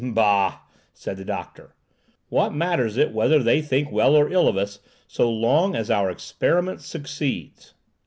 "Bah!" said the doctor; "what matters it whether they think well or ill of us, so long as our experiment succeeds?"